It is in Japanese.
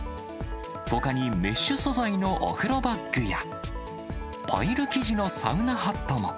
ほかにメッシュ素材のおふろバッグや、パイル生地のサウナハットも。